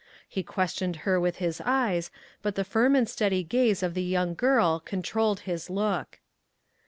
He questioned her with his eyes, but the firm and steady gaze of the young girl controlled his look.